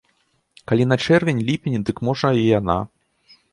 Калі на чэрвень, ліпень, дык можа і яна.